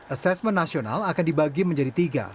asesmen nasional akan dibagi menjadi tiga